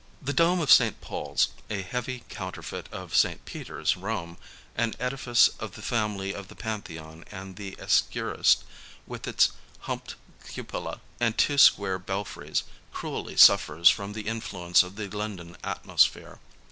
The dome of St. Paul's, a heavy counterfeit of St. Peter's, Rome, an edifice of the family of the Pantheon and the Escurial, with its humped cupola and two square belfries, cruelly suffers from the influence of the London atmosphere.